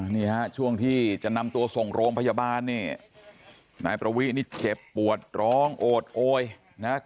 นี่ฮะช่วงที่จะนำตัวส่งโรงพยาบาลนี่นายประวินี่เจ็บปวดร้องโอดโอยนะครับ